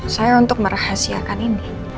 saya untuk merahasiakan ini